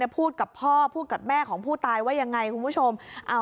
พูดกับพ่อพูดกับแม่ของผู้ตายว่ายังไงคุณผู้ชม